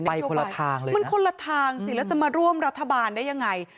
ไปคนละทางเลยมันคนละทางสิแล้วจะมาร่วมรัฐบาลได้ยังไง